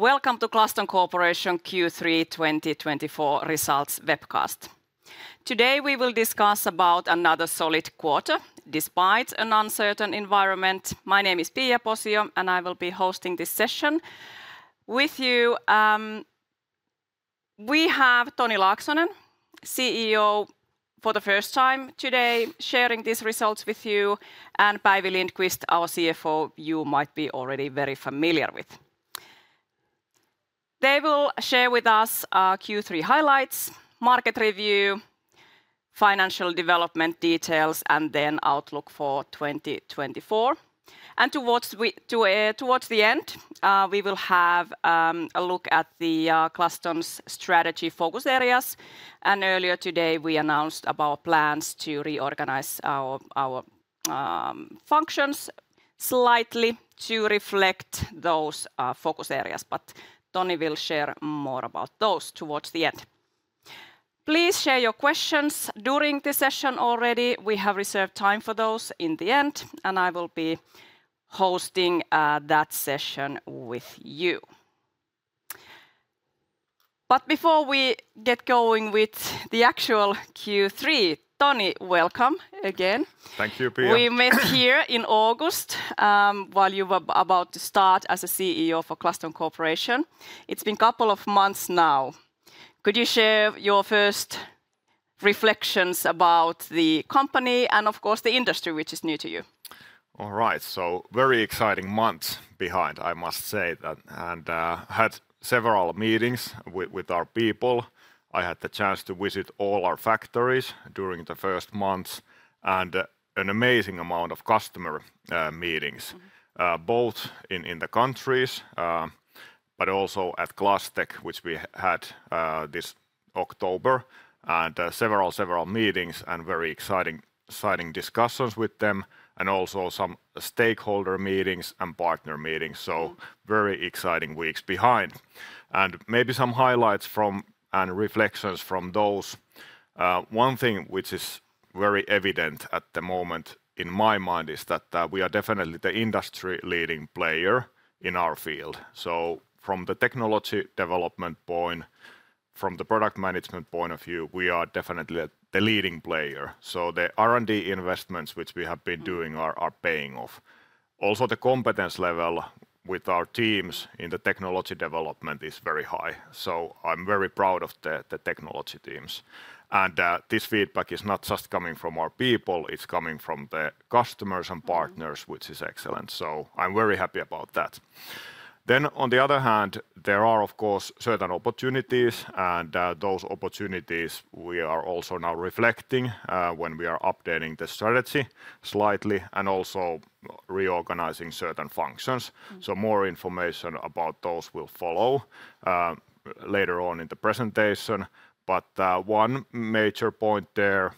Welcome to the Glaston Corporation Q3 2024 results webcast. Today we will discuss another solid quarter despite an uncertain environment. My name is Pia Posio, and I will be hosting this session with you. We have Toni Laaksonen, CEO, for the first time today sharing these results with you, and Päivi Lindqvist, our CFO, you might be already very familiar with. They will share with us Q3 highlights, market review, financial development details, and then outlook for 2024. And towards the end, we will have a look at Glaston's strategy focus areas. And earlier today, we announced our plans to reorganize our functions slightly to reflect those focus areas. But Toni will share more about those towards the end. Please share your questions during the session already. We have reserved time for those in the end, and I will be hosting that session with you. Before we get going with the actual Q3, Toni, welcome again. Thank you, Pia. We met here in August while you were about to start as a CEO for Glaston Corporation. It's been a couple of months now. Could you share your first reflections about the company and, of course, the industry which is new to you? All right, so very exciting months behind. I must say that, and I had several meetings with our people. I had the chance to visit all our factories during the first months and an amazing amount of customer meetings, both in the countries but also at glasstech, which we had this October, and several, several meetings and very exciting discussions with them, and also some stakeholder meetings and partner meetings, so very exciting weeks behind, and maybe some highlights and reflections from those. One thing which is very evident at the moment in my mind is that we are definitely the industry leading player in our field, so from the technology development point, from the product management point of view, we are definitely the leading player, so the R&D investments which we have been doing are paying off. Also, the competence level with our teams in the technology development is very high. So I'm very proud of the technology teams. And this feedback is not just coming from our people, it's coming from the customers and partners, which is excellent. So I'm very happy about that. Then, on the other hand, there are, of course, certain opportunities, and those opportunities we are also now reflecting when we are updating the strategy slightly and also reorganizing certain functions. So more information about those will follow later on in the presentation. But one major point there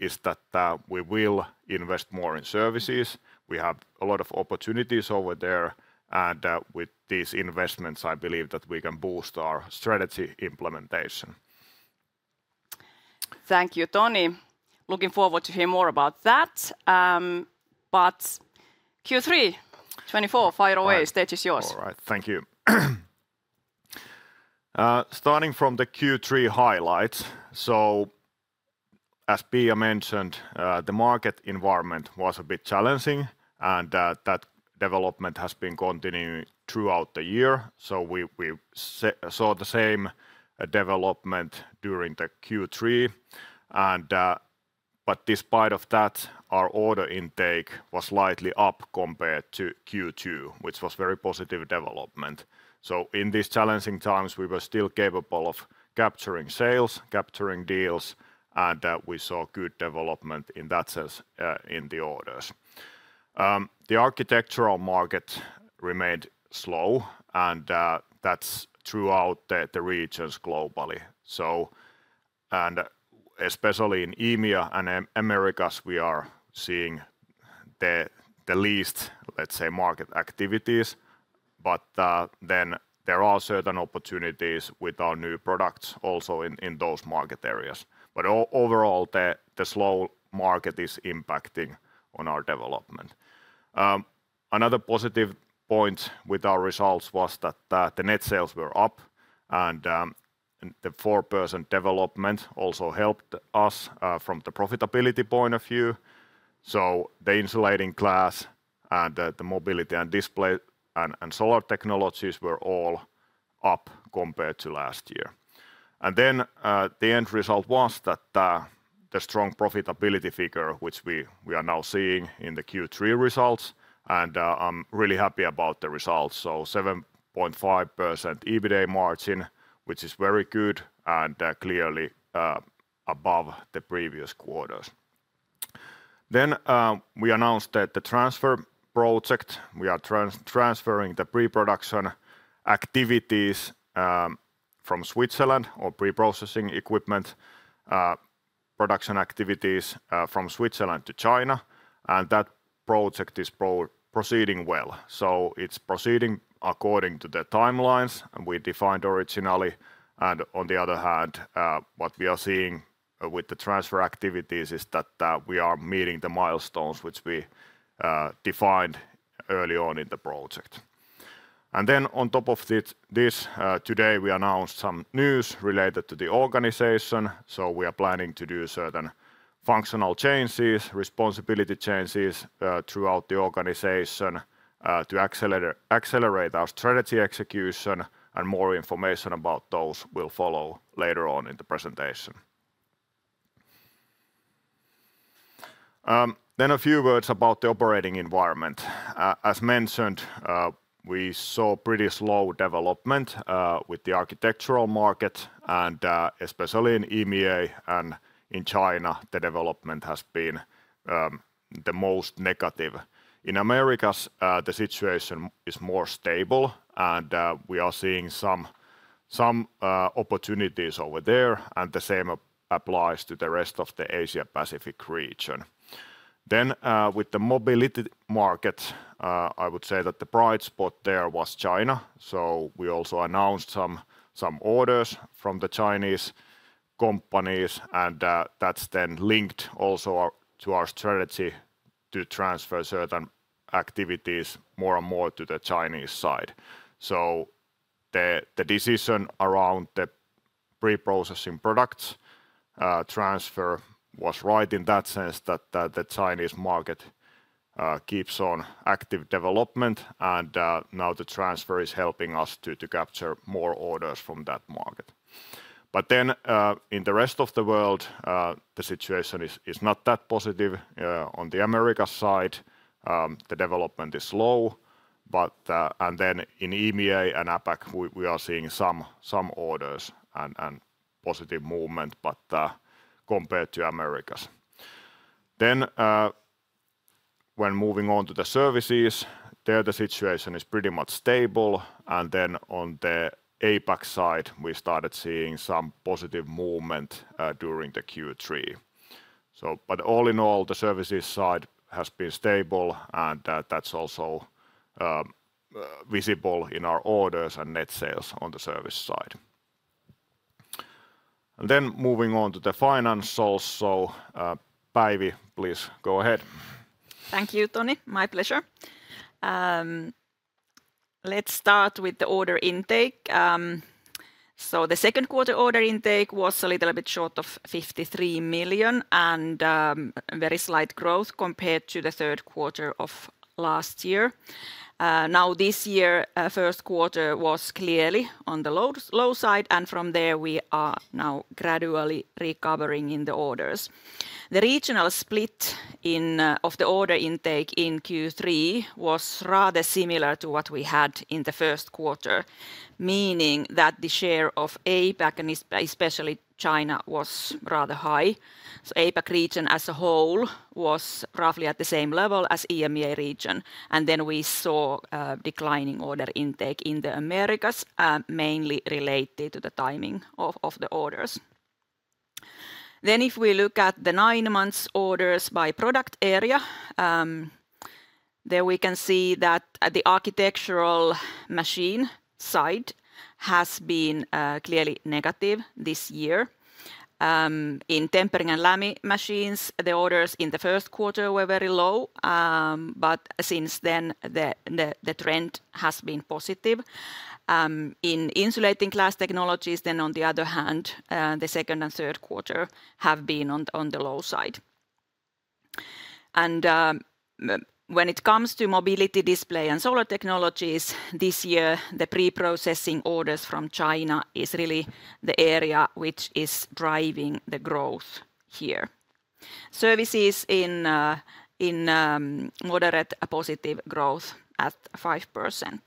is that we will invest more in services. We have a lot of opportunities over there, and with these investments, I believe that we can boost our strategy implementation. Thank you, Toni. Looking forward to hear more about that. But Q3 2024, fire away. Stage is yours. All right, thank you. Starting from the Q3 highlights, so as Pia mentioned, the market environment was a bit challenging, and that development has been continuing throughout the year, so we saw the same development during the Q3, but despite that, our order intake was slightly up compared to Q2, which was a very positive development, so in these challenging times, we were still capable of capturing sales, capturing deals, and we saw good development in that sense in the orders. The architectural market remained slow, and that's throughout the regions globally, and especially in EMEA and Americas, we are seeing the least, let's say, market activities, but then there are certain opportunities with our new products also in those market areas, but overall, the slow market is impacting on our development. Another positive point with our results was that the net sales were up, and the 4% development also helped us from the profitability point of view. The insulating glass and the mobility and display and solar technologies were all up compared to last year. The end result was that the strong profitability figure, which we are now seeing in the Q3 results, and I'm really happy about the results. The 7.5% EBITDA margin, which is very good and clearly above the previous quarters. We announced that the transfer project. We are transferring the pre-processing activities from Switzerland or pre-processing equipment production activities from Switzerland to China. That project is proceeding well. It's proceeding according to the timelines we defined originally. And on the other hand, what we are seeing with the transfer activities is that we are meeting the milestones which we defined early on in the project. And then on top of this, today we announced some news related to the organization. So we are planning to do certain functional changes, responsibility changes throughout the organization to accelerate our strategy execution. And more information about those will follow later on in the presentation. Then a few words about the operating environment. As mentioned, we saw pretty slow development with the architectural market, and especially in EMEA and in China, the development has been the most negative. In Americas, the situation is more stable, and we are seeing some opportunities over there. And the same applies to the rest of the Asia-Pacific region. Then with the mobility market, I would say that the bright spot there was China. So we also announced some orders from the Chinese companies, and that's then linked also to our strategy to transfer certain activities more and more to the Chinese side. So the decision around the pre-processing products transfer was right in that sense that the Chinese market keeps on active development, and now the transfer is helping us to capture more orders from that market. But then in the rest of the world, the situation is not that positive. On the American side, the development is slow. And then in EMEA and APAC, we are seeing some orders and positive movement, but compared to Americas. Then when moving on to the services, there the situation is pretty much stable. And then on the APAC side, we started seeing some positive movement during the Q3. But all in all, the services side has been stable, and that's also visible in our orders and net sales on the service side. And then moving on to the finance also, Päivi, please go ahead. Thank you, Toni. My pleasure. Let's start with the order intake. The third quarter order intake was a little bit short of 53 million and very slight growth compared to the third quarter of last year. Now, this year, first quarter was clearly on the low side, and from there we are now gradually recovering in the orders. The regional split of the order intake in Q3 was rather similar to what we had in the first quarter, meaning that the share of APAC, and especially China, was rather high. APAC region as a whole was roughly at the same level as EMEA region. We saw declining order intake in the Americas, mainly related to the timing of the orders. Then if we look at the nine months orders by product area, there we can see that the architectural machine side has been clearly negative this year. In tempering and laminating machines, the orders in the first quarter were very low, but since then the trend has been positive. In insulating glass technologies, then on the other hand, the second and third quarter have been on the low side. And when it comes to mobility display and solar technologies, this year the pre-processing orders from China is really the area which is driving the growth here. Services in moderate positive growth at 5%.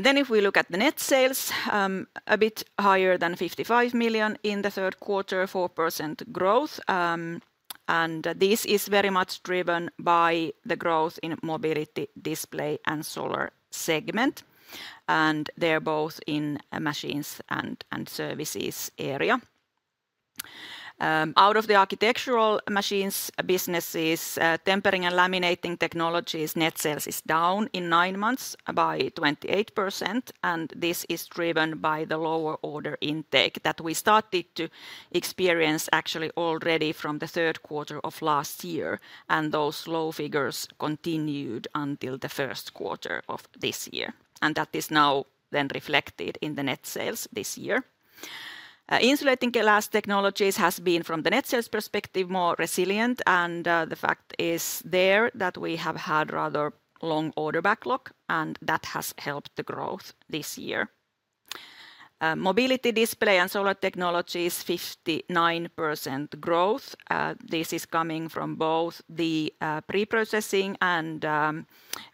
Then if we look at the net sales, a bit higher than 55 million in the third quarter, 4% growth. And this is very much driven by the growth in mobility display and solar segment, and they're both in machines and services area. Out of the architectural machines businesses, tempering and laminating technologies, net sales is down in nine months by 28%. This is driven by the lower order intake that we started to experience actually already from the third quarter of last year. Those low figures continued until the first quarter of this year. That is now then reflected in the net sales this year. Insulating glass technologies has been from the net sales perspective more resilient. The fact is there that we have had rather long order backlog, and that has helped the growth this year. Mobility, Display and Solar technologies, 59% growth. This is coming from both the pre-processing and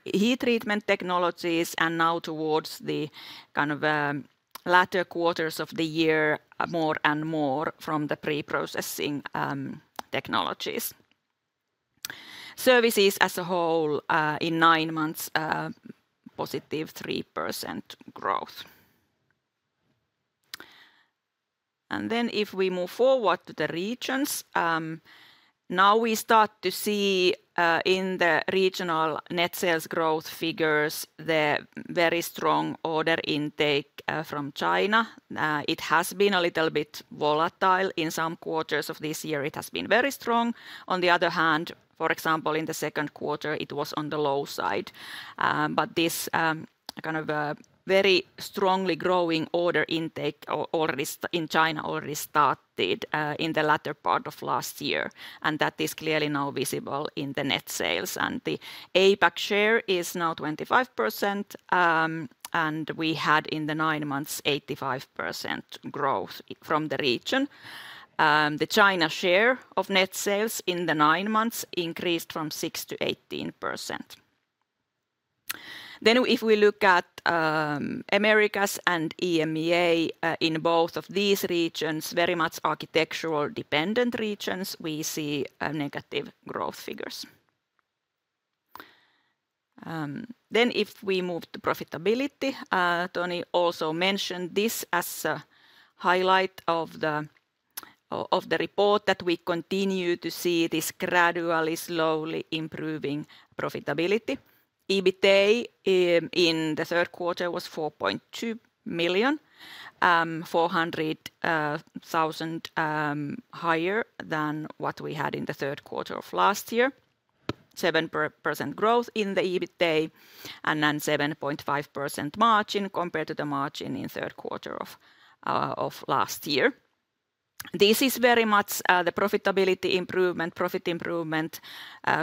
heat treatment technologies and now towards the kind of latter quarters of the year, more and more from the pre-processing technologies. Services as a whole in nine months, positive 3% growth. And then if we move forward to the regions, now we start to see in the regional net sales growth figures the very strong order intake from China. It has been a little bit volatile. In some quarters of this year, it has been very strong. On the other hand, for example, in the second quarter, it was on the low side. But this kind of very strongly growing order intake in China already started in the latter part of last year. And that is clearly now visible in the net sales. And the APAC share is now 25%. And we had in the nine months 85% growth from the region. The China share of net sales in the nine months increased from 6% to 18%. Then if we look at Americas and EMEA in both of these regions, very much architectural dependent regions, we see negative growth figures. Then, if we move to profitability, Toni also mentioned this as a highlight of the report that we continue to see this gradually slowly improving profitability. EBITDA in the third quarter was 4.2 million, 400,000 higher than what we had in the third quarter of last year. 7% growth in the EBITDA and then 7.5% margin compared to the margin in third quarter of last year. This is very much the profitability improvement, profit improvement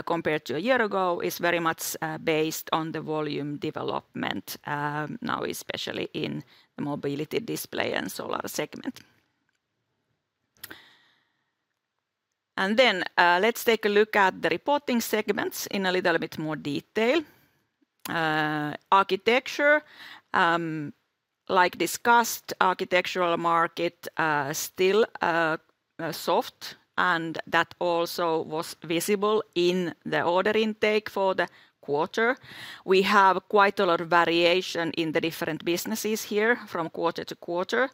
compared to a year ago is very much based on the volume development now, especially in the mobility display and solar segment, and then let's take a look at the reporting segments in a little bit more detail. Architecture, like discussed. Architectural market still soft, and that also was visible in the order intake for the quarter. We have quite a lot of variation in the different businesses here from quarter to quarter.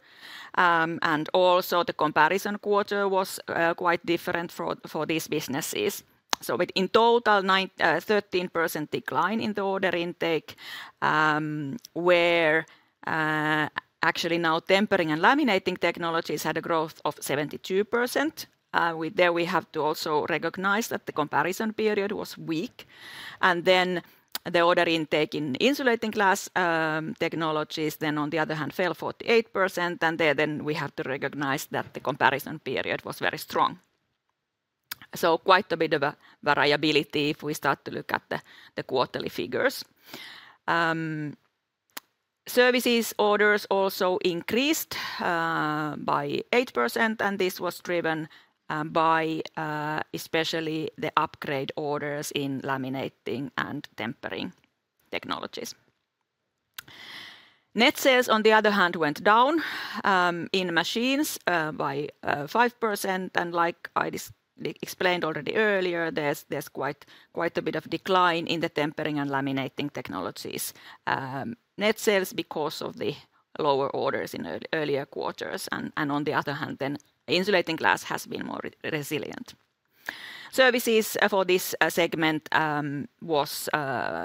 And also the comparison quarter was quite different for these businesses. So in total, 13% decline in the order intake, where actually now tempering and laminating technologies had a growth of 72%. There we have to also recognize that the comparison period was weak. And then the order intake in insulating glass technologies then on the other hand fell 48%, and then we have to recognize that the comparison period was very strong. So quite a bit of variability if we start to look at the quarterly figures. Services orders also increased by 8%, and this was driven by especially the upgrade orders in laminating and tempering technologies. Net sales, on the other hand, went down in machines by 5%. And like I explained already earlier, there's quite a bit of decline in the tempering and laminating technologies. Net sales because of the lower orders in earlier quarters. On the other hand, then insulating glass has been more resilient. Services for this segment was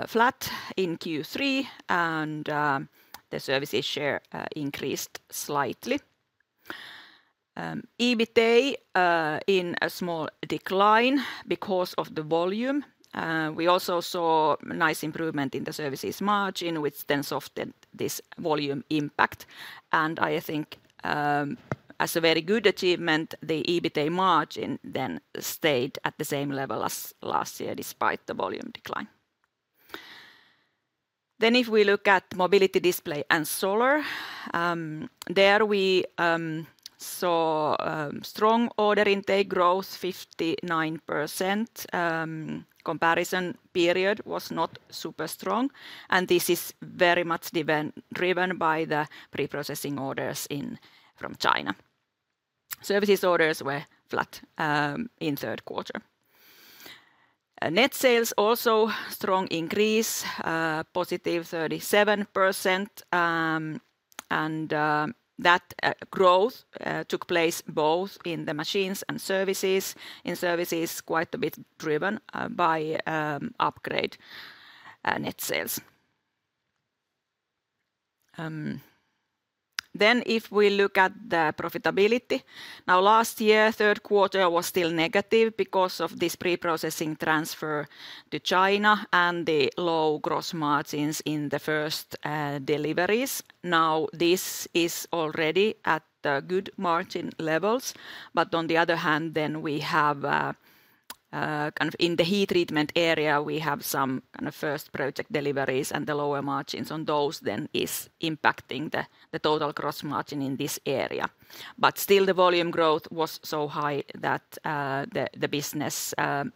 flat in Q3, and the services share increased slightly. EBITDA in a small decline because of the volume. We also saw nice improvement in the services margin, which then softened this volume impact. And I think as a very good achievement, the EBITDA margin then stayed at the same level as last year despite the volume decline. If we look at Mobility, Display and Solar, there we saw strong order intake growth, 59%. Comparison period was not super strong. And this is very much driven by the pre-processing orders from China. Services orders were flat in third quarter. Net sales also strong increase, positive 37%. And that growth took place both in the machines and services. In services, quite a bit driven by upgrade net sales. Then if we look at the profitability, now last year third quarter was still negative because of this pre-processing transfer to China and the low gross margins in the first deliveries. Now this is already at good margin levels. But on the other hand, then we have kind of in the heat treatment area, we have some kind of first project deliveries and the lower margins on those then is impacting the total gross margin in this area. But still the volume growth was so high that the business kind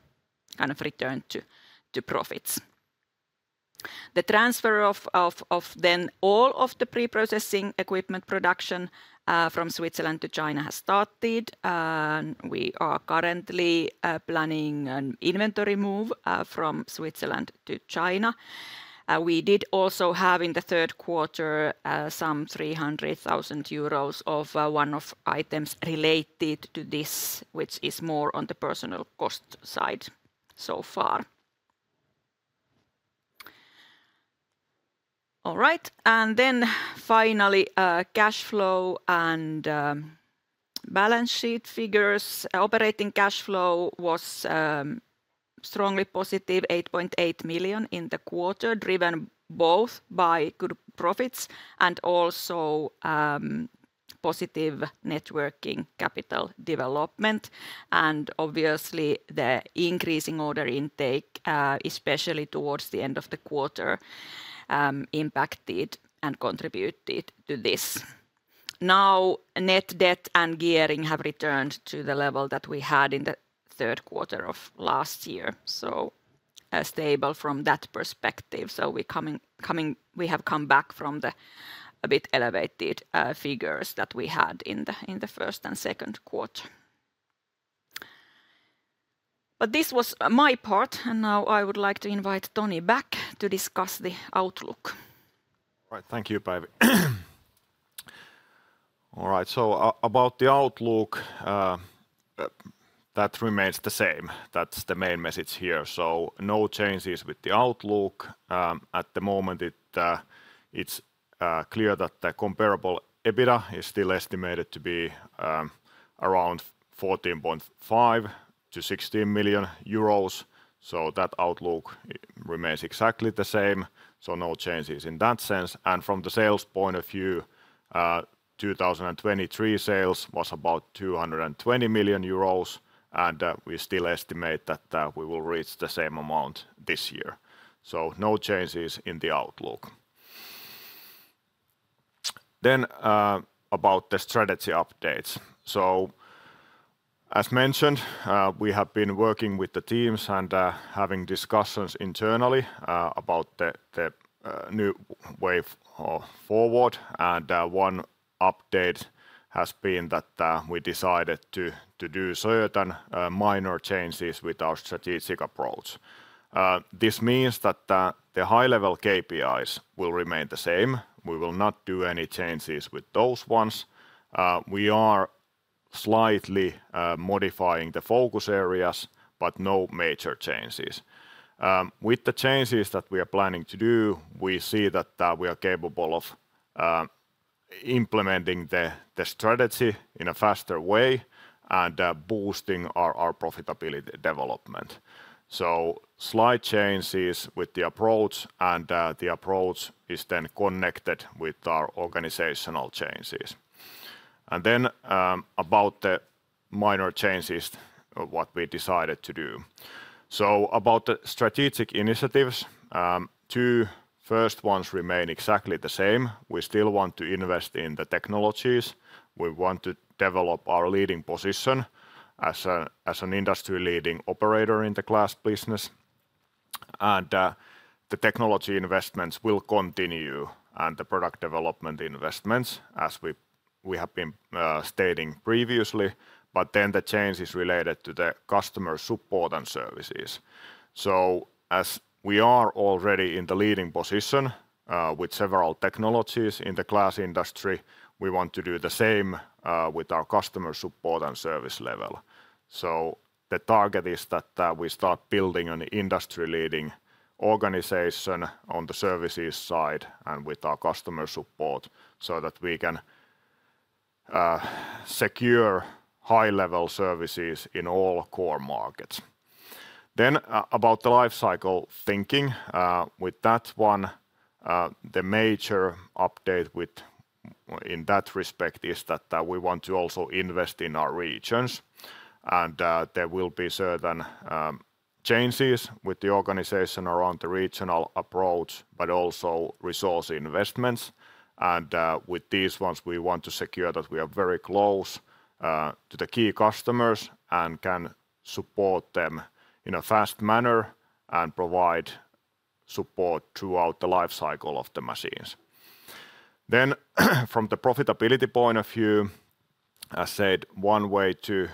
of returned to profits. The transfer of then all of the pre-processing equipment production from Switzerland to China has started. We are currently planning an inventory move from Switzerland to China. We did also have in the third quarter some 300,000 euros of one-off items related to this, which is more on the personnel cost side so far. All right. And then finally, cash flow and balance sheet figures. Operating cash flow was strongly positive, 8.8 million in the quarter, driven both by good profits and also positive working capital development. And obviously, the increasing order intake, especially towards the end of the quarter, impacted and contributed to this. Now net debt and gearing have returned to the level that we had in the third quarter of last year. So stable from that perspective. So we have come back from a bit elevated figures that we had in the first and second quarter. But this was my part. And now I would like to invite Toni back to discuss the outlook. All right. Thank you, Päivi. All right. So about the outlook, that remains the same. That's the main message here. So no changes with the outlook. At the moment, it's clear that the comparable EBITDA is still estimated to be around 14.5-16 million euros. So that outlook remains exactly the same. So no changes in that sense. And from the sales point of view, 2023 sales was about 220 million euros. And we still estimate that we will reach the same amount this year. So no changes in the outlook. Then about the strategy updates. So as mentioned, we have been working with the teams and having discussions internally about the new way forward. And one update has been that we decided to do certain minor changes with our strategic approach. This means that the high-level KPIs will remain the same. We will not do any changes with those ones. We are slightly modifying the focus areas, but no major changes. With the changes that we are planning to do, we see that we are capable of implementing the strategy in a faster way and boosting our profitability development, so slight changes with the approach and the approach is then connected with our organizational changes, and then about the minor changes of what we decided to do, so about the strategic initiatives, two first ones remain exactly the same. We still want to invest in the technologies. We want to develop our leading position as an industry-leading operator in the glass business, and the technology investments will continue and the product development investments as we have been stating previously, but then the change is related to the customer support and services. So as we are already in the leading position with several technologies in the glass industry, we want to do the same with our customer support and service level. So the target is that we start building an industry-leading organization on the services side and with our customer support so that we can secure high-level services in all core markets. Then about the lifecycle thinking, with that one, the major update in that respect is that we want to also invest in our regions. And with these ones, we want to secure that we are very close to the key customers and can support them in a fast manner and provide support throughout the lifecycle of the machines. Then, from the profitability point of view, as I said, one way to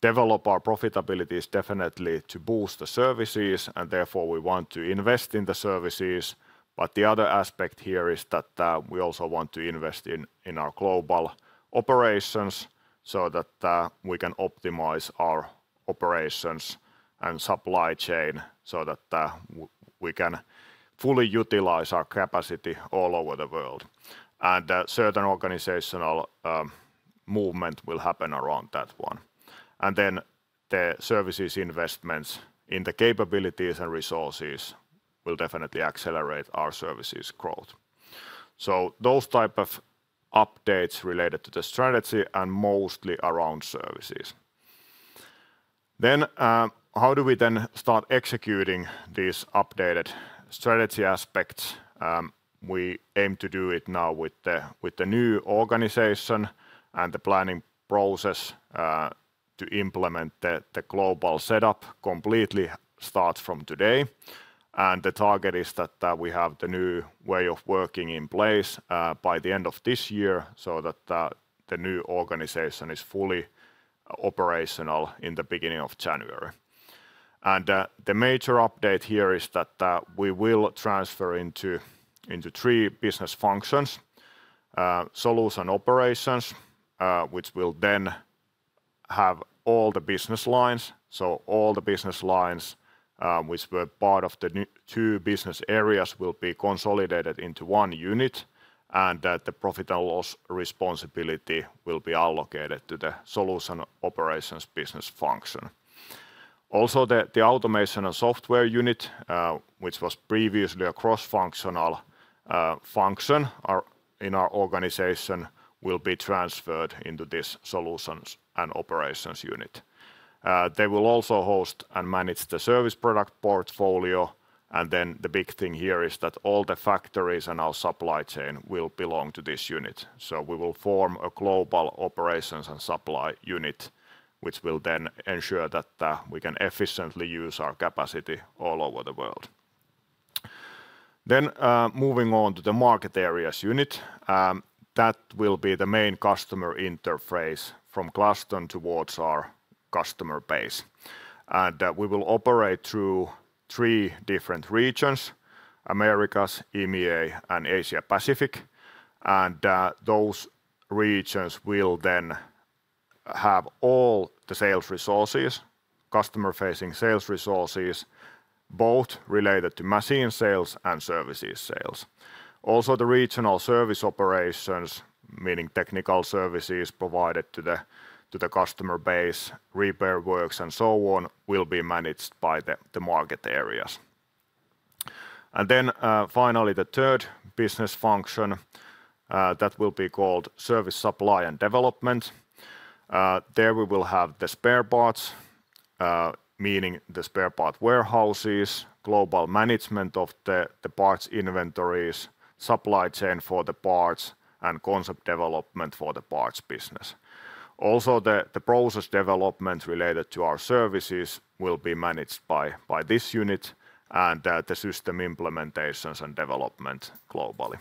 develop our profitability is definitely to boost the services. And therefore, we want to invest in the services. But the other aspect here is that we also want to invest in our global operations so that we can optimize our operations and supply chain so that we can fully utilize our capacity all over the world. And certain organizational movement will happen around that one. And then, the services investments in the capabilities and resources will definitely accelerate our services growth. So, those type of updates related to the strategy and mostly around services. Then, how do we then start executing this updated strategy aspect? We aim to do it now with the new organization, and the planning process to implement the global setup completely starts from today. The target is that we have the new way of working in place by the end of this year so that the new organization is fully operational in the beginning of January. The major update here is that we will transfer into three business functions, Solutions and Operations, which will then have all the business lines. All the business lines which were part of the two business areas will be consolidated into one unit. The profit and loss responsibility will be allocated to the Solutions and Operations business function. Also, the automation and software unit, which was previously a cross-functional function in our organization, will be transferred into this Solutions and Operations unit. They will also host and manage the service product portfolio. The big thing here is that all the factories and our supply chain will belong to this unit. We will form a global operations and supply unit, which will then ensure that we can efficiently use our capacity all over the world. Then moving on to the market areas unit, that will be the main customer interface from Glaston towards our customer base. We will operate through three different regions, Americas, EMEA, and Asia-Pacific. Those regions will then have all the sales resources, customer-facing sales resources, both related to machine sales and services sales. Also, the regional service operations, meaning technical services provided to the customer base, repair works, and so on, will be managed by the market areas. Then finally, the third business function that will be called service supply and development. There we will have the spare parts, meaning the spare part warehouses, global management of the parts inventories, supply chain for the parts, and concept development for the parts business. Also, the process development related to our services will be managed by this unit and the system implementations and development globally,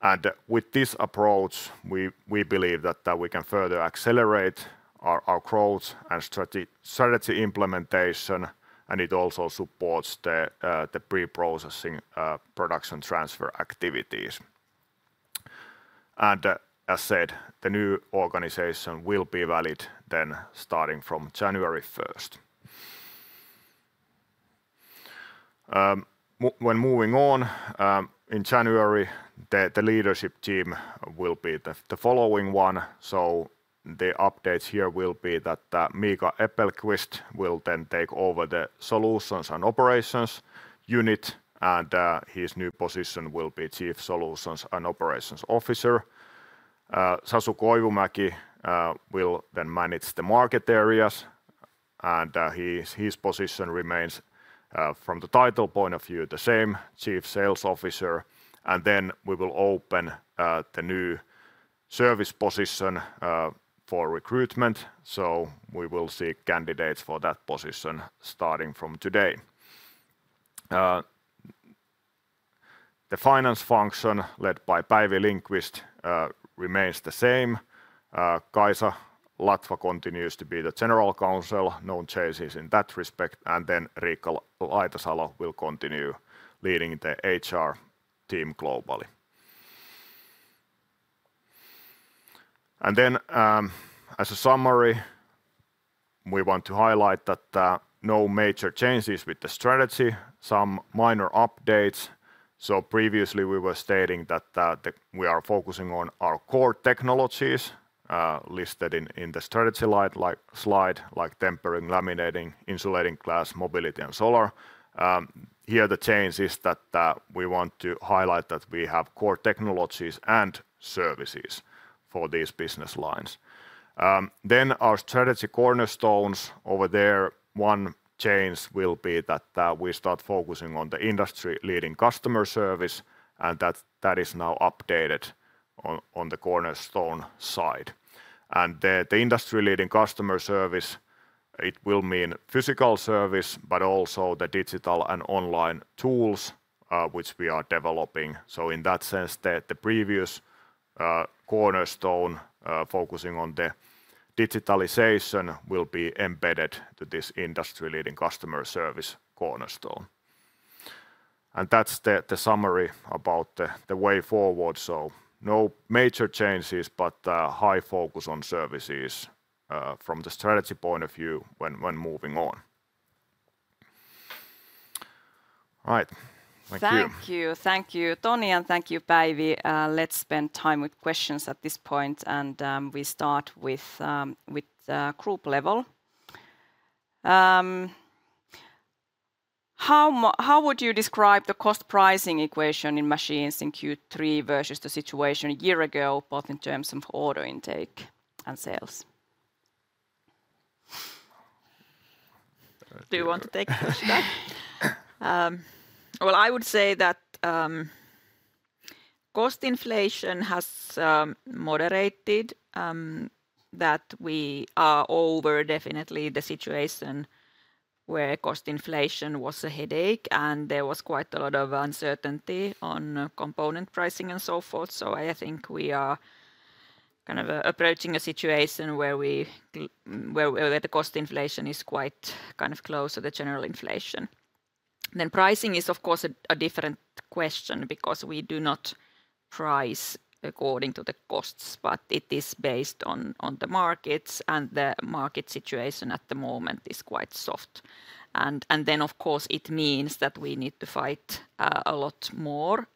and with this approach, we believe that we can further accelerate our growth and strategy implementation, and it also supports the pre-processing production transfer activities, and as said, the new organization will be valid then starting from January 1st. When moving on, in January, the leadership team will be the following one, so the updates here will be that Miika Äppelqvist will then take over the Solutions and Operations unit, and his new position will be Chief Solutions and Operations Officer. Sasu Koivumäki will then manage the market areas, and his position remains from the title point of view the same, Chief Sales Officer, and then we will open the new service position for recruitment, so we will seek candidates for that position starting from today. The finance function led by Päivi Lindqvist remains the same. Kaisa Latva continues to be the general counsel. No changes in that respect, and then Riikka Lagnev will continue leading the HR team globally, and then as a summary, we want to highlight that no major changes with the strategy, some minor updates, so previously we were stating that we are focusing on our core technologies listed in the strategy slide, like tempering, laminating, insulating glass, mobility, and solar. Here the change is that we want to highlight that we have core technologies and services for these business lines, then our strategy cornerstones over there, one change will be that we start focusing on the industry-leading customer service and that that is now updated on the cornerstone side, and the industry-leading customer service, it will mean physical service, but also the digital and online tools which we are developing. So in that sense, the previous cornerstone focusing on the digitalization will be embedded to this industry-leading customer service cornerstone. And that's the summary about the way forward. So no major changes, but high focus on services from the strategy point of view when moving on. All right. Thank you. Thank you. Thank you, Toni, and thank you, Päivi. Let's spend time with questions at this point. We start with group level. How would you describe the cost pricing equation in machines in Q3 versus the situation a year ago, both in terms of order intake and sales? Do you want to take the question? I would say that cost inflation has moderated, that we are over definitely the situation where cost inflation was a headache and there was quite a lot of uncertainty on component pricing and so forth. I think we are kind of approaching a situation where the cost inflation is quite kind of close to the general inflation. Pricing is, of course, a different question because we do not price according to the costs, but it is based on the markets and the market situation at the moment is quite soft. And then, of course, it means that we need to fight a lot more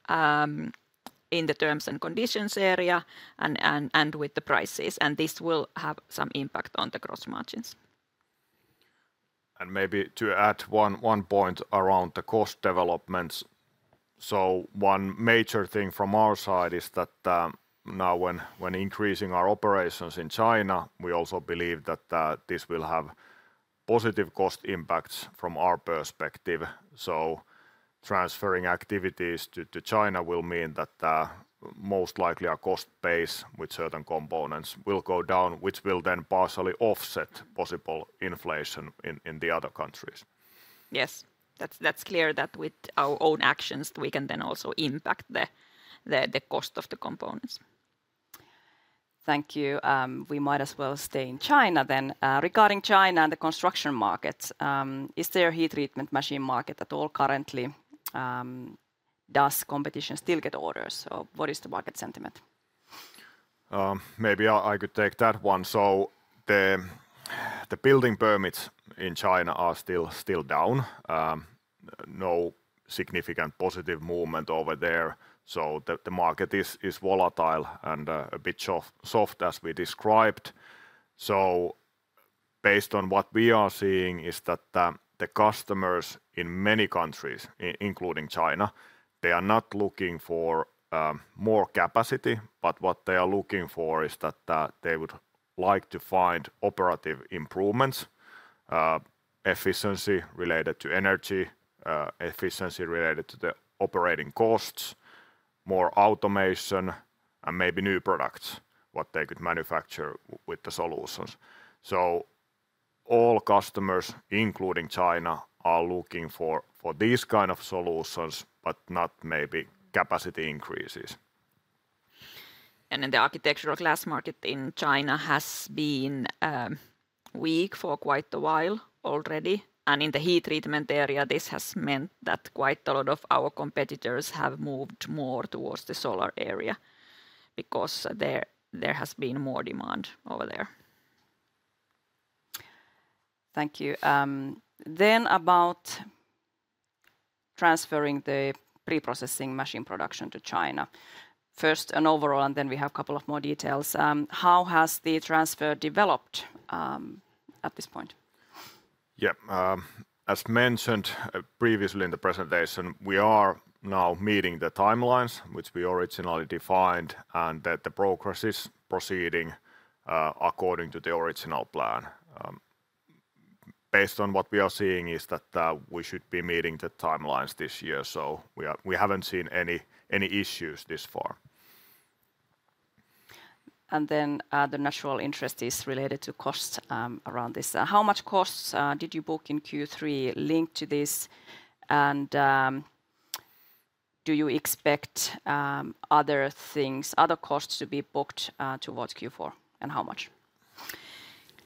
in the terms and conditions area and with the prices. And this will have some impact on the gross margins. Maybe to add one point around the cost developments. One major thing from our side is that now when increasing our operations in China, we also believe that this will have positive cost impacts from our perspective. Transferring activities to China will mean that most likely our cost base with certain components will go down, which will then partially offset possible inflation in the other countries. Yes, that's clear that with our own actions, we can then also impact the cost of the components. Thank you. We might as well stay in China then. Regarding China and the construction markets, is there a heat treatment machine market at all currently? Does competition still get orders? What is the market sentiment? Maybe I could take that one. So the building permits in China are still down. No significant positive movement over there. So the market is volatile and a bit soft as we described. So based on what we are seeing is that the customers in many countries, including China, they are not looking for more capacity, but what they are looking for is that they would like to find operative improvements, efficiency related to energy, efficiency related to the operating costs, more automation, and maybe new products what they could manufacture with the solutions. So all customers, including China, are looking for these kinds of solutions, but not maybe capacity increases. Then the architectural glass market in China has been weak for quite a while already. And in the heat treatment area, this has meant that quite a lot of our competitors have moved more towards the solar area because there has been more demand over there. Thank you. Then about transferring the pre-processing machine production to China. First an overall, and then we have a couple of more details. How has the transfer developed at this point? Yeah. As mentioned previously in the presentation, we are now meeting the timelines which we originally defined and the progress is proceeding according to the original plan. Based on what we are seeing is that we should be meeting the timelines this year. So we haven't seen any issues this far. The natural interest is related to costs around this. How much costs did you book in Q3 linked to this? And do you expect other things, other costs to be booked towards Q4 and how much?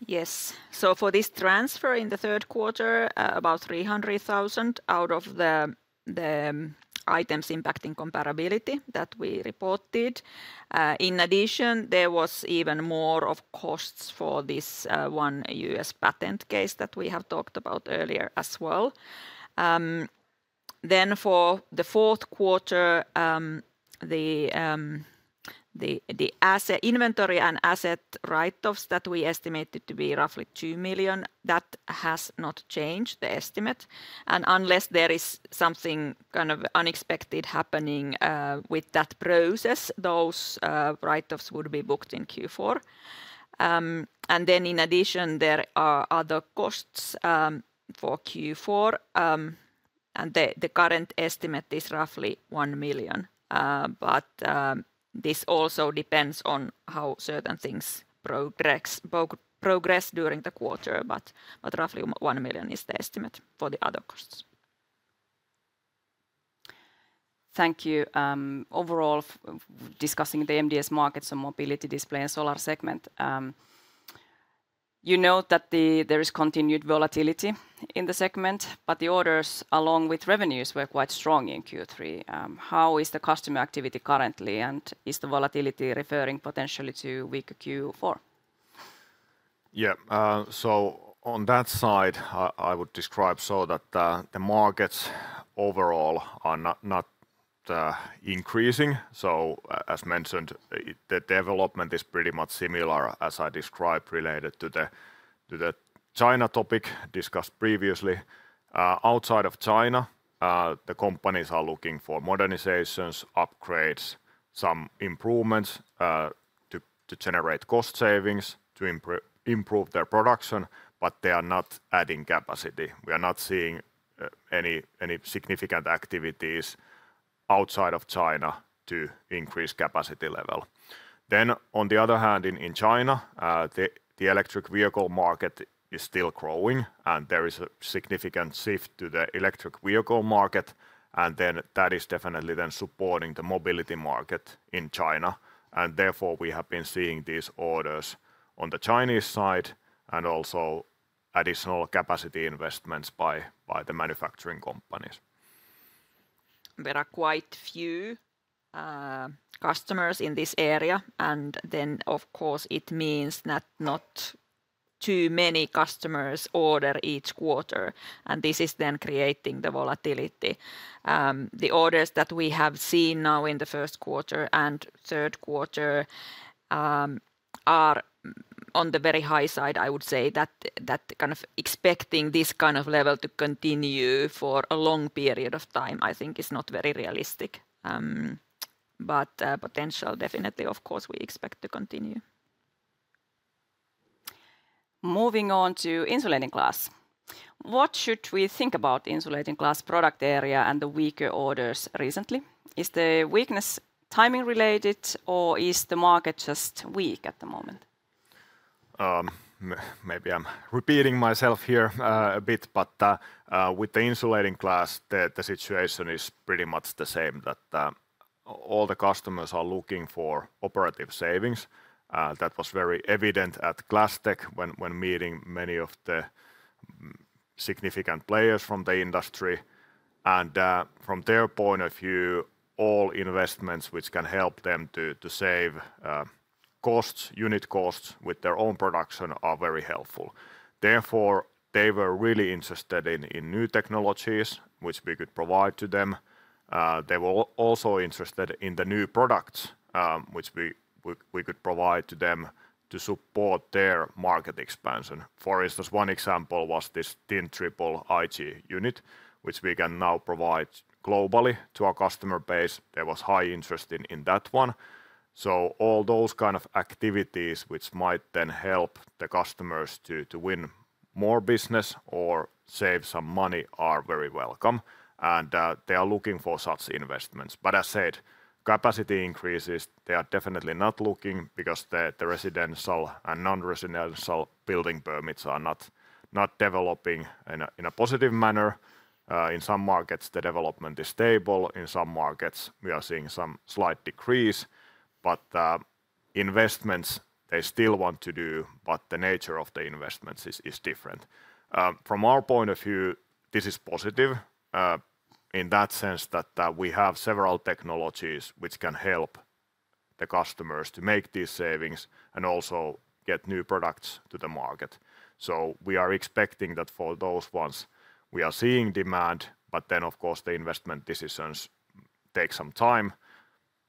Yes. So for this transfer in the third quarter, about 300,000 out of the items impacting comparability that we reported. In addition, there was even more of costs for this one U.S. patent case that we have talked about earlier as well. Then for the fourth quarter, the inventory and asset write-offs that we estimated to be roughly 2 million, that has not changed the estimate. And unless there is something kind of unexpected happening with that process, those write-offs would be booked in Q4. And then in addition, there are other costs for Q4. And the current estimate is roughly 1 million. But this also depends on how certain things progress during the quarter. But roughly 1 million is the estimate for the other costs. Thank you. Overall, discussing the MDS markets and mobility display and solar segment, you note that there is continued volatility in the segment, but the orders along with revenues were quite strong in Q3. How is the customer activity currently? And is the volatility referring potentially to weaker Q4? Yeah. So on that side, I would describe so that the markets overall are not increasing. So as mentioned, the development is pretty much similar as I described related to the China topic discussed previously. Outside of China, the companies are looking for modernizations, upgrades, some improvements to generate cost savings, to improve their production, but they are not adding capacity. We are not seeing any significant activities outside of China to increase capacity level. Then on the other hand, in China, the electric vehicle market is still growing and there is a significant shift to the electric vehicle market. And then that is definitely then supporting the mobility market in China. And therefore, we have been seeing these orders on the Chinese side and also additional capacity investments by the manufacturing companies. There are quite a few customers in this area. Then, of course, it means that not too many customers order each quarter. This is then creating the volatility. The orders that we have seen now in the first quarter and third quarter are on the very high side. I would say that kind of expecting this kind of level to continue for a long period of time, I think is not very realistic. Potential definitely, of course, we expect to continue. Moving on to insulating glass. What should we think about insulating glass product area and the weaker orders recently? Is the weakness timing related or is the market just weak at the moment? Maybe I'm repeating myself here a bit, but with the insulating glass, the situation is pretty much the same that all the customers are looking for operative savings. That was very evident at GlassTech when meeting many of the significant players from the industry, and from their point of view, all investments which can help them to save costs, unit costs with their own production are very helpful. Therefore, they were really interested in new technologies which we could provide to them. They were also interested in the new products which we could provide to them to support their market expansion. For instance, one example was this Thin Triple IG unit, which we can now provide globally to our customer base. There was high interest in that one. So all those kinds of activities which might then help the customers to win more business or save some money are very welcome. And they are looking for such investments. But as I said, capacity increases, they are definitely not looking because the residential and non-residential building permits are not developing in a positive manner. In some markets, the development is stable. In some markets, we are seeing some slight decrease. But investments, they still want to do, but the nature of the investments is different. From our point of view, this is positive in that sense that we have several technologies which can help the customers to make these savings and also get new products to the market. So we are expecting that for those ones, we are seeing demand, but then, of course, the investment decisions take some time.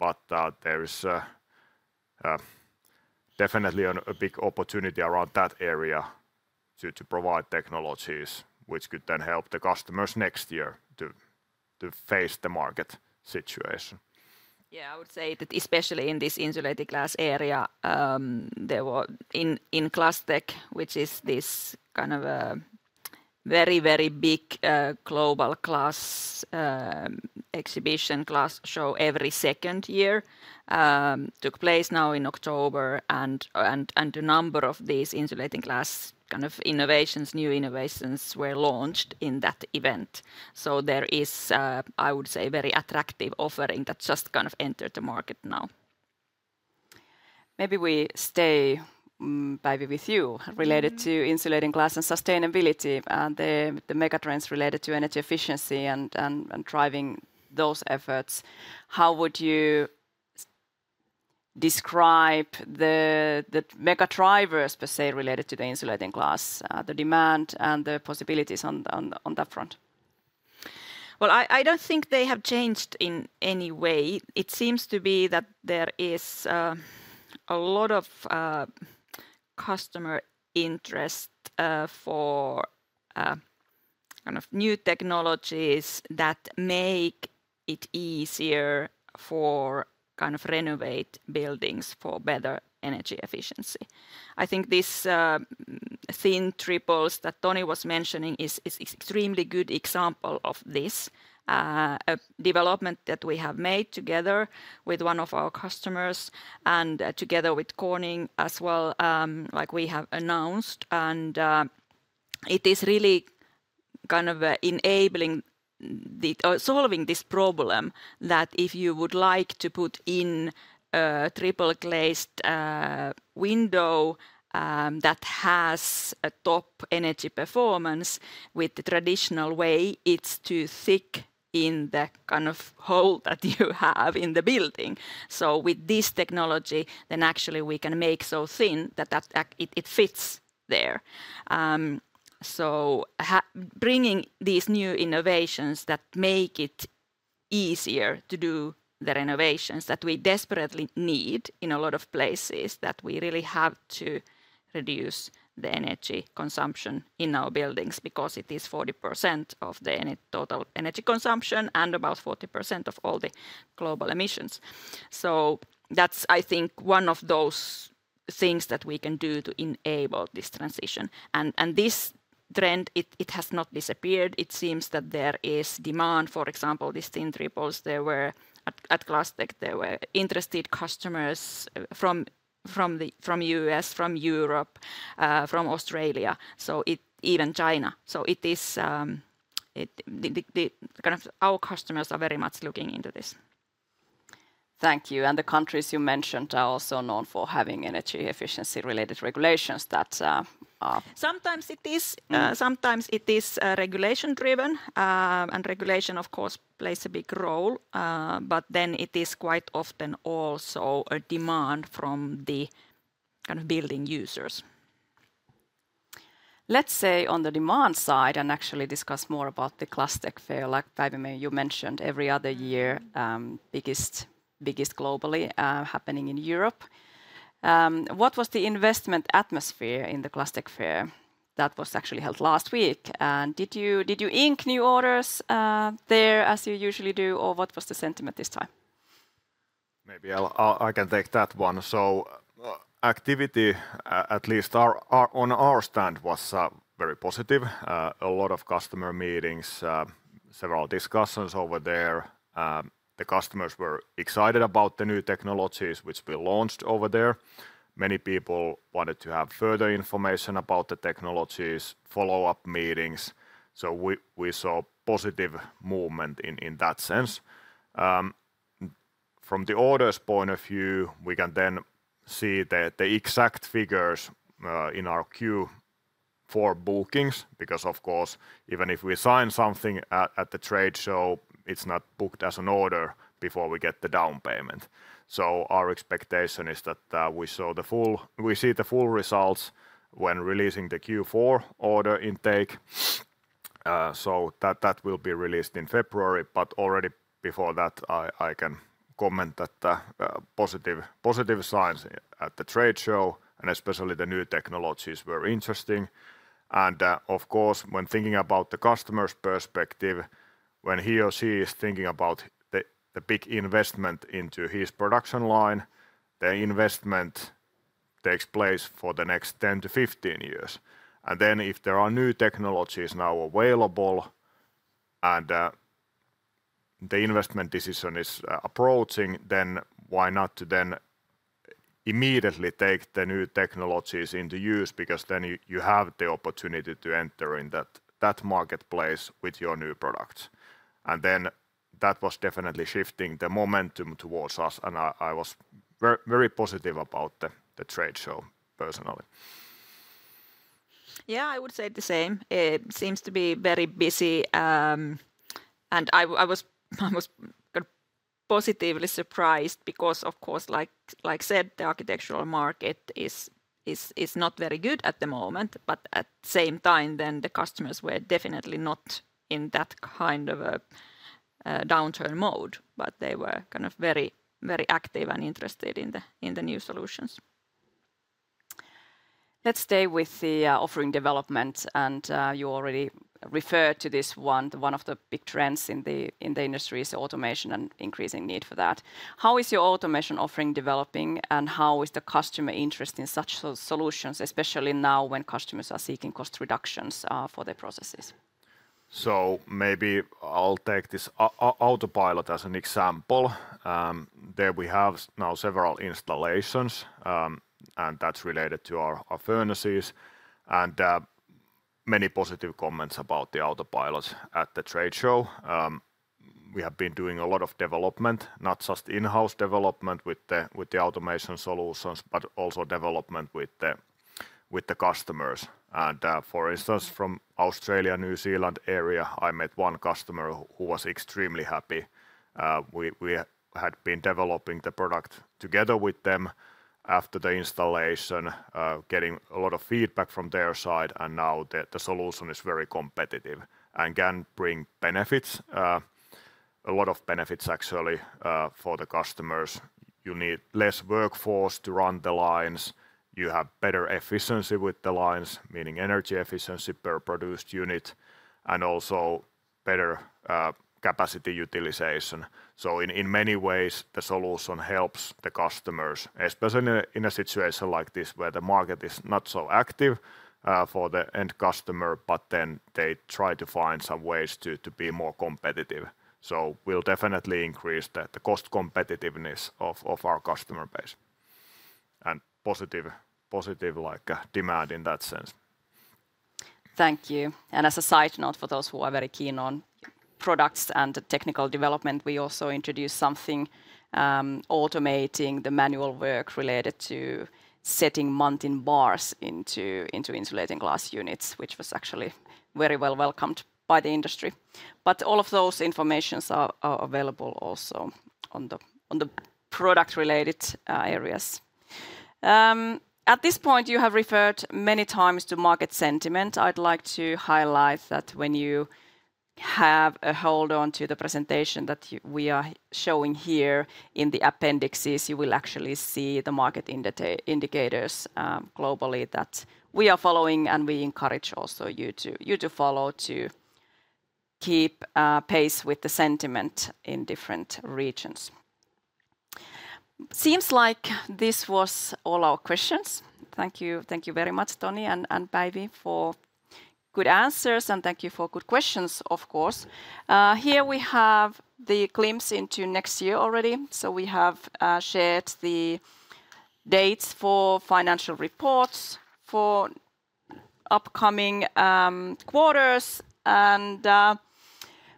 But there is definitely a big opportunity around that area to provide technologies which could then help the customers next year to face the market situation. Yeah, I would say that especially in this insulating glass area, there were in GlassTech, which is this kind of very, very big global glass exhibition glass show every second year, took place now in October. A number of these insulating glass kind of innovations, new innovations were launched in that event. So there is, I would say, a very attractive offering that just kind of entered the market now. Maybe we stay, Päivi, with you related to insulating glass and sustainability and the megatrends related to energy efficiency and driving those efforts. How would you describe the megadrivers per se related to the insulating glass, the demand and the possibilities on that front? I don't think they have changed in any way. It seems to be that there is a lot of customer interest for kind of new technologies that make it easier for kind of renovate buildings for better energy efficiency. I think this Thin Triple that Toni was mentioning is an extremely good example of this development that we have made together with one of our customers and together with Corning as well, like we have announced. And it is really kind of enabling or solving this problem that if you would like to put in a triple glazed window that has a top energy performance with the traditional way, it's too thick in the kind of hole that you have in the building. So with this technology, then actually we can make so thin that it fits there. So bringing these new innovations that make it easier to do the renovations that we desperately need in a lot of places that we really have to reduce the energy consumption in our buildings because it is 40% of the total energy consumption and about 40% of all the global emissions. So that's, I think, one of those things that we can do to enable this transition. And this trend, it has not disappeared. It seems that there is demand. For example, these Thin Triples, there were at GlassTech interested customers from the U.S., from Europe, from Australia, so even China. So it is kind of our customers are very much looking into this. Thank you. And the countries you mentioned are also known for having energy efficiency related regulations that are sometimes regulation driven. Sometimes it is regulation driven and regulation, of course, plays a big role. But then it is quite often also a demand from the kind of building users. Let's say on the demand side, and actually discuss more about the GlassTech fair, like Päivi, you mentioned every other year, biggest globally happening in Europe. What was the investment atmosphere in the GlassTech fair that was actually held last week? And did you ink new orders there as you usually do, or what was the sentiment this time? Maybe I can take that one. So activity, at least on our stand, was very positive. A lot of customer meetings, several discussions over there. The customers were excited about the new technologies which we launched over there. Many people wanted to have further information about the technologies, follow-up meetings. So we saw positive movement in that sense. From the orders point of view, we can then see the exact figures in our Q4 bookings because, of course, even if we sign something at the trade show, it's not booked as an order before we get the down payment. So our expectation is that we see the full results when releasing the Q4 order intake. So that will be released in February. But already before that, I can comment that positive signs at the trade show and especially the new technologies were interesting. And of course, when thinking about the customer's perspective, when he or she is thinking about the big investment into his production line, the investment takes place for the next 10-15 years. And then if there are new technologies now available and the investment decision is approaching, then why not then immediately take the new technologies into use because then you have the opportunity to enter in that marketplace with your new products. And then that was definitely shifting the momentum towards us. And I was very positive about the trade show personally. Yeah, I would say the same. It seems to be very busy, and I was positively surprised because, of course, like said, the architectural market is not very good at the moment. But at the same time, then the customers were definitely not in that kind of a downturn mode, but they were kind of very active and interested in the new solutions. Let's stay with the offering development, and you already referred to this one. One of the big trends in the industry is automation and increasing need for that. How is your automation offering developing and how is the customer interest in such solutions, especially now when customers are seeking cost reductions for their processes? So maybe I'll take this Autopilot as an example. There we have now several installations and that's related to our furnaces and many positive comments about the Autopilot at the trade show. We have been doing a lot of development, not just in-house development with the automation solutions, but also development with the customers. And for instance, from Australia, New Zealand area, I met one customer who was extremely happy. We had been developing the product together with them after the installation, getting a lot of feedback from their side. And now the solution is very competitive and can bring benefits, a lot of benefits actually for the customers. You need less workforce to run the lines. You have better efficiency with the lines, meaning energy efficiency per produced unit and also better capacity utilization. So in many ways, the solution helps the customers, especially in a situation like this where the market is not so active for the end customer, but then they try to find some ways to be more competitive. So we'll definitely increase the cost competitiveness of our customer base and positive demand in that sense. Thank you. And as a side note for those who are very keen on products and technical development, we also introduced something automating the manual work related to setting mounting bars into insulating glass units, which was actually very well welcomed by the industry. But all of that information is available also on the product-related areas. At this point, you have referred many times to market sentiment. I'd like to highlight that when you have a hold onto the presentation that we are showing here in the appendices, you will actually see the market indicators globally that we are following and we encourage also you to follow to keep pace with the sentiment in different regions. Seems like this was all our questions. Thank you very much, Toni and Päivi, for good answers and thank you for good questions, of course. Here we have the glimpse into next year already. So we have shared the dates for financial reports for upcoming quarters. And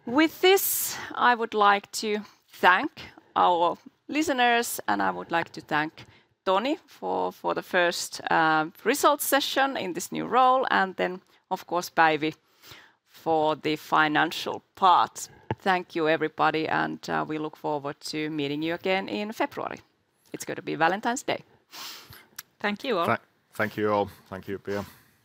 with this, I would like to thank our listeners and I would like to thank Toni for the first result session in this new role and then, of course, Päivi for the financial part. Thank you, everybody. And we look forward to meeting you again in February. It's going to be Valentine's Day. Thank you all. Thank you all. Thank you, Pia.